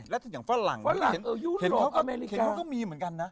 แล้วถึงฝรั่งเห็นเขาก็มีเหมือนกันนะ